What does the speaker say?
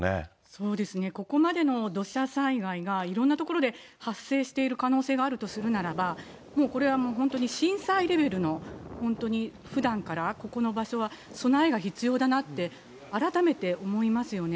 そうですね、ここまでの土砂災害がいろんな所で発生している可能性があるとするならば、もうこれは本当に震災レベルの、本当に、ふだんからここの場所は備えが必要だなって、改めて思いますよね。